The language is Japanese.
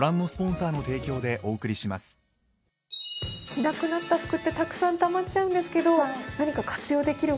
着なくなった服ってたくさんたまっちゃうんですけど何か活用できる